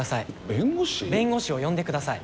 弁護士？弁護士を呼んでください。